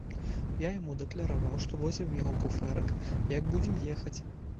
Я яму дакляраваў, што возьмем яго куфэрак, як будзем ехаць.